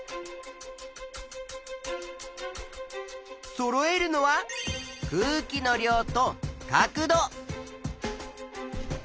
そろえるのは空気の量と角度。